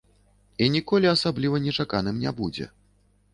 І ніколі асабліва нечаканым не будзе.